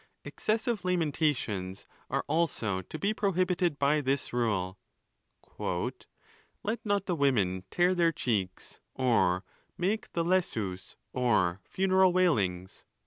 Excessive lamentations are also to be prohibited by this rule— "Let not the women tear their cheeks or make the Jessus or funeral wailings."